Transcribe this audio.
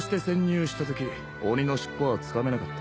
浸鬼の尻尾はつかめなかった。